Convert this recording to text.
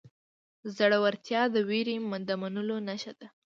زړورتیا د وېرې د منلو نښه ده.